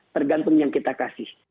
tergantung yang kita kasih